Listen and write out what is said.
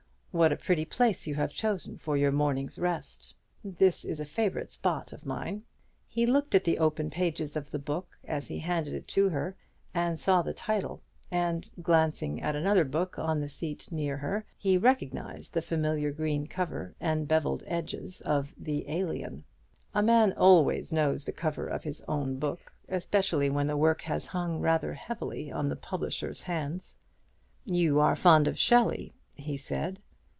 "What a pretty place you have chosen for your morning's rest! This is a favourite spot of mine." He looked at the open pages of the book as he handed it to her, and saw the title; and glancing at another book on the seat near her, he recognized the familiar green cover and beveled edges of the "Alien." A man always knows the cover of his own book, especially when the work has hung rather heavily on the publisher's hands. "You are fond of Shelley," he said.